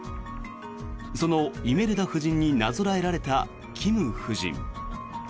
そのイメルダ夫人になぞらえられたキム夫人。